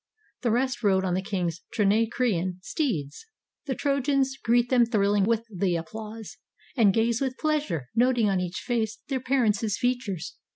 The rest rode on the king's Trinacrian steeds. The Trojans greet them thrilling with the applause, And gaze with pleasure, noting on each face Their parents' features.